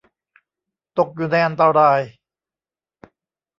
ตกอยู่ในอันตราย